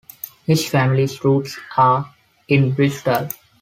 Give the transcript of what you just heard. His family's roots are in Bristol.